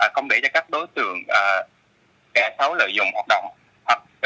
không để cho các đối tượng kẻ xấu lợi dụng hoạt động